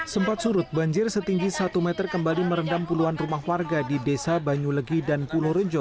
sempat surut banjir setinggi satu meter kembali merendam puluhan rumah warga di desa banyu legi dan pulau rejo